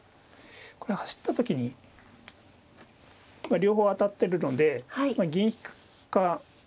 これを走った時にまあ両方当たってるので銀引くか金か。